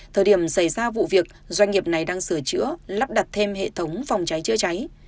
thời điểm xảy ra vụ việc doanh nghiệp này đang sửa chữa lắp đặt thêm hệ thống phòng cháy chữa cháy